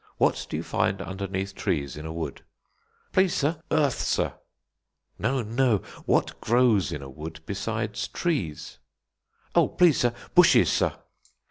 What do you find underneath trees in a wood?" "Please, sir, earth, sir." "No; no; what grows in a wood besides trees?" "Oh, please, sir, bushes, sir."